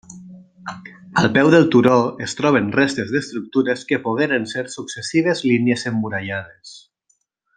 Al peu del turó es troben restes d'estructures que pogueren ser successives línies emmurallades.